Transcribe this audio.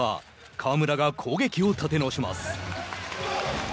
河村が攻撃を立て直します。